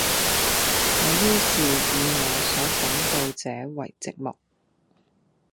我于是以我所感到者爲寂寞。